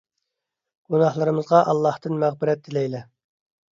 گۇناھلىرىمىزغا ئاللاھتىن مەغپىرەت تىلەيلى!